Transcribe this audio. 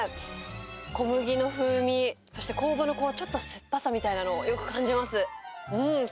小麦の風味、そして酵母のこのちょっと酸っぱさみたいのもよく感じます。